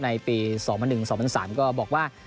ในปี๒๐๐๑๒๐๐๓ก็บอกว่า